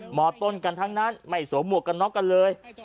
หมอต้นกันทั้งนั้นไม่สวมหมวกกันน็อกกันเลย